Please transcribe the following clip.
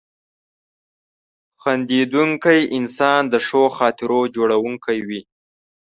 • خندېدونکی انسان د ښو خاطرو جوړونکی وي.